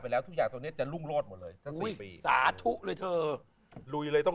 ไปแล้วทุกอย่างตรงนี้จะรุ่งรอดหมดเลยสาธุเลยเธอลุยเลยต้อง